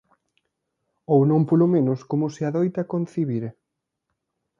Ou non polo menos como se adoita concibir.